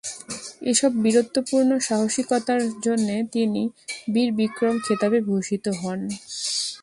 এসব বীরত্বপূর্ণ সাহসিকতার জন্যে তিনি ‘বীর বিক্রম’ খেতাবে ভূষিত হন।